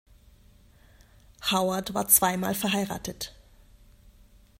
Howard war zweimal verheiratet.